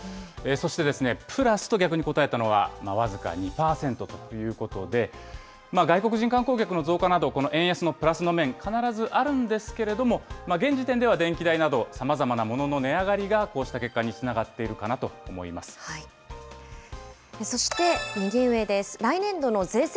そしてですね、プラスと逆に答えたのは、僅か２％ということで、外国人観光客の増加など、この円安のプラスの面、必ずあるんですけれども、現時点では、電気代など、さまざまなものの値上がりがこうした結果につそして、右上です。